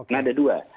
nah ada dua